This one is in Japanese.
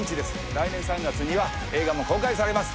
来年３月には映画も公開されます